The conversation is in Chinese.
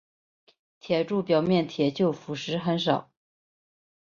铁柱表面铁锈腐蚀很少。